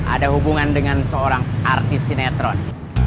ada hubungan dengan seorang artis sinetron